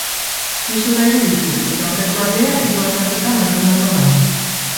Bi solairu ditu, eta aurreko aldea hiru ardatzetan antolatua dago.